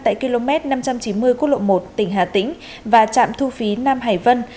tại km năm trăm chín mươi quốc lộ một tỉnh hà tĩnh và trạm thu phí nam hải vân